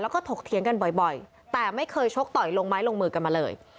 แล้วก็ถกเถียงกันบ่อยแต่ไม่เคยชกต่อยลงไม้ลงมือกันมาเลย